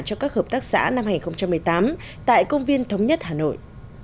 cho các hợp tác xã năm hai nghìn một mươi tám tại công viên thống nhất hà nội